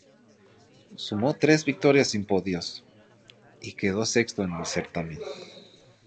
Sumó tres victorias sin podios, y quedó sexto en el certamen.